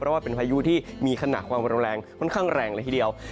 เพราะว่าเป็นพายุที่มีขนาดความรุนแรงค่อนข้างแรงเลยทีเดียว